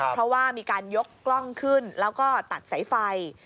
เพราะว่ามีการยกกล้องขึ้นแล้วก็ตัดสายไฟ